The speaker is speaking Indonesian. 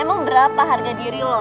emang berapa harga diri lo